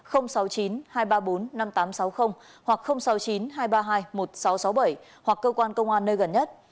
hoặc sáu mươi chín hai trăm ba mươi hai một nghìn sáu trăm sáu mươi bảy hoặc cơ quan công an nơi gần nhất